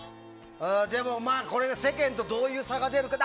でもまあ、これで世間とどういう差が出るか。